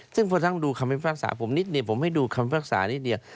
ซึ่งพอท่านดูคำพิพากษาผมนิดเดียวผมให้ดูคำพิพากษานิดเดียว